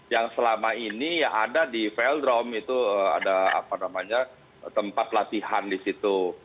yang selama ini ya ada di veldrome itu ada tempat latihan di situ